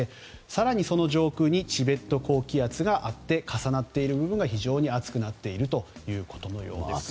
更にその上空にチベット高気圧があって重なっている部分が非常に暑くなっているということのようです。